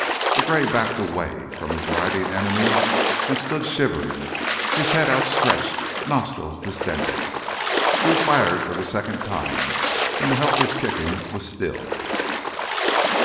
The gray backed away from his writhing enemy and stood shivering, his head outstretched, nostrils distended. Drew fired for the second time and the helpless kicking was stilled.